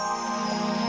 sini kita balik lagi